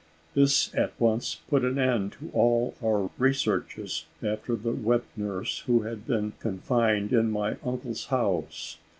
This at once put an end to all our researches after the wet nurse, who had been confined in my uncle's house.